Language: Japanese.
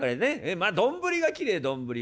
まあ丼がきれい丼が。